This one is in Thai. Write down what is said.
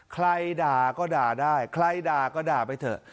ด่าก็ด่าได้ใครด่าก็ด่าไปเถอะ